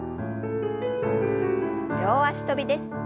両脚跳びです。